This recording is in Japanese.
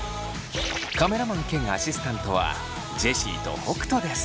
カメラマン兼アシスタントはジェシーと北斗です。